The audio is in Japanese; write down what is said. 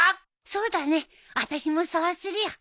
そうだね。あたしもそうするよ。